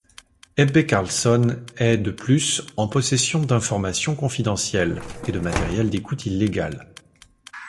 Ebbe Carlsson est de plus en possession d'informations confidentielles, et de matériel d'écoute illégal.